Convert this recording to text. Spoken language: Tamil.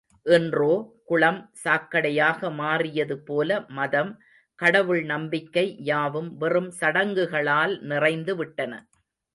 இன்றோ, குளம் சாக்கடையாக மாறியதுபோல மதம், கடவுள் நம்பிக்கை யாவும் வெறும் சடங்குகளால் நிறைந்து விட்டன.